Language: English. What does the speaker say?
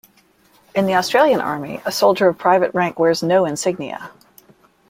In the Australian Army, a soldier of private rank wears no insignia.